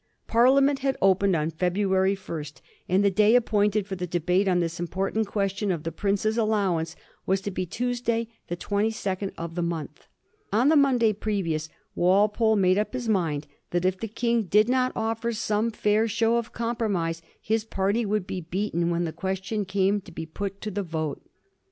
Parliament had opened on February 1st, and the day appointed for the debate on this important question of the prince's allowance was to be Tuesday, the 22d of the month. On the Monday previ ous, Walpole made up his mind that if the King did not offer some fair show of compromise his party would be beaten when the question came to be put to the vote.